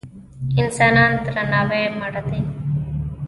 انسانان د درناوي وړ دي.